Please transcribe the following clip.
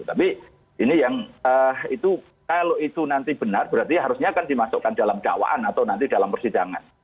tapi ini yang itu kalau itu nanti benar berarti harusnya akan dimasukkan dalam dakwaan atau nanti dalam persidangan